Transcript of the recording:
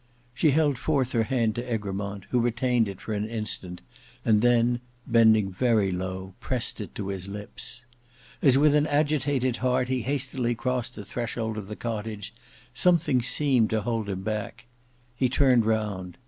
She held forth her hand to Egremont, who retained it for an instant, and then bending very low, pressed it to his lips. As with an agitated heart, he hastily crossed the threshold of the cottage, something seemed to hold him back. He turned round.